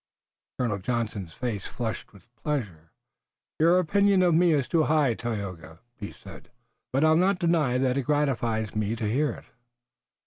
Colonel Johnson's face flushed with pleasure. "Your opinion of me is too high, Tayoga," he said, "but I'll not deny that it gratifies me to hear it."